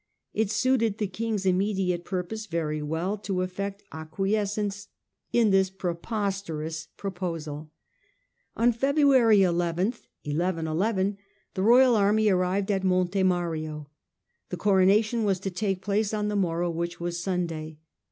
It suited the king's immediate purpose very well to affect ac quiescence in this preposterous proposal. On February 11 the royal army 'arrived at Monte Mario. The coronation was to take place on the Henry V. in ^o^row, which was Sunday.